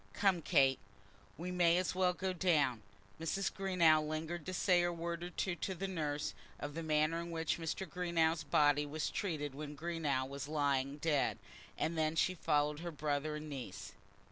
Come, Kate, we may as well go down." Mrs. Greenow lingered to say a word or two to the nurse, of the manner in which Greenow's body was treated when Greenow was lying dead, and then she followed her brother and niece.